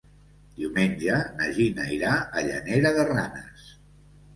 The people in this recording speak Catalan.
Diumenge na Gina irà a Llanera de Ranes.